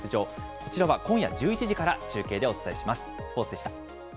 こちらは今夜１１時から中継でお伝えします。